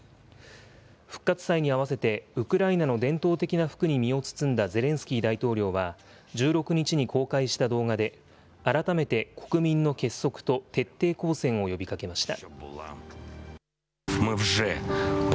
復活祭に合わせてウクライナの伝統的な服に身を包んだゼレンスキー大統領は、１６日に公開した動画で、改めて国民の結束と徹底抗戦を呼びかけました。